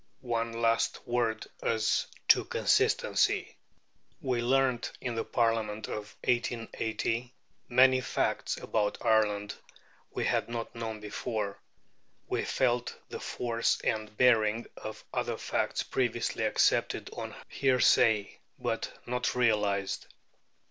One last word as to Consistency. We learnt in the Parliament of 1880 many facts about Ireland we had not known before; we felt the force and bearing of other facts previously accepted on hearsay, but not realized.